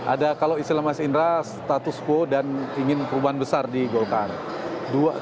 ada kalau islam s indra status quo dan ingin perubahan besar di golongkalan